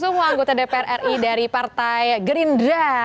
semua anggota dpr ri dari partai gerindra